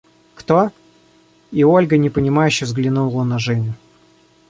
– Кто? – И Ольга непонимающе взглянула на Женю.